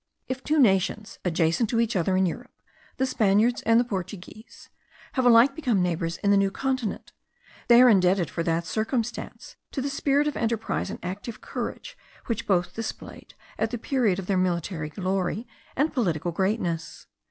If two nations adjacent to each other in Europe, the Spaniards and the Portuguese, have alike become neighbours in the New Continent, they are indebted for that circumstance to the spirit of enterprise and active courage which both displayed at the period of their military glory and political greatness.